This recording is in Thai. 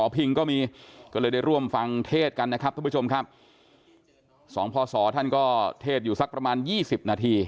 เป็นพ่อแม่ที่ดี